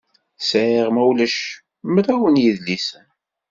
Sɛiɣ, ma ulac, mraw n yidlisen.